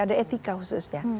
ada etika khususnya